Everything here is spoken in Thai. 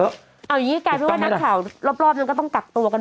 เอาอย่างนี้กลายเป็นว่านักข่าวรอบนั้นก็ต้องกักตัวกัน